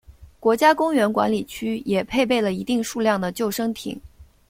国家公园管理局也配备了一定数量的救生艇。